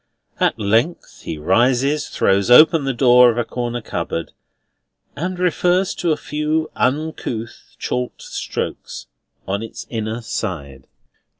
At length he rises, throws open the door of a corner cupboard, and refers to a few uncouth chalked strokes on its inner side.